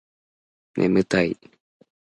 眠たい